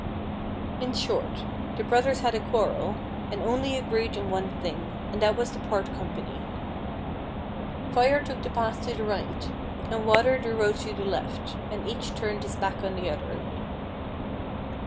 In short, the brothers had a quarrel, and only agreed in one thing, and that was to part company. Fire FIRE AND WATER. 109 took the path to the rij^ht, and Water the road to the left, and each turned his back on the other.